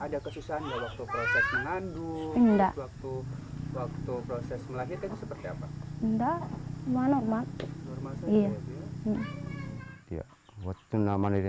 ada kesusahan tidak waktu proses mengandung